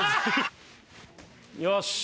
よし。